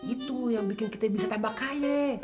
itu yang bikin kita bisa tambah kaya